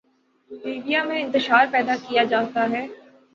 Libya میں انتشار پیدا کیا جاتا ہے۔